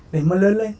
để mà lớn lên